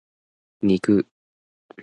肉